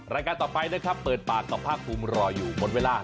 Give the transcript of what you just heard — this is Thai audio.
รายการต่อไปนะครับเปิดปากกับภาคภูมิรออยู่หมดเวลา